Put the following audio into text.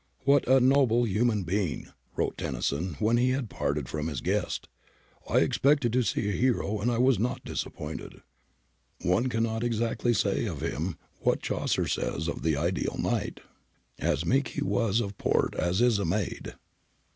'What a noble human being!' wrote Tennyson when he had parted from his guest. ' I expected to see a hero and I was not disappointed. One cannot exactly say of him what Chaucer says of the ideal Knight, "As meke he was of port as is a maid."